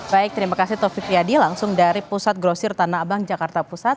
baik terima kasih taufik yadi langsung dari pusat grosir tanah abang jakarta pusat